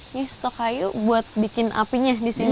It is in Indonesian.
ini stok kayu buat bikin apinya di sini